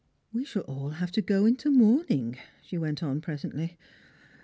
" We shall all have to go into mourning," shewent on presently.